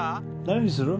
何にする？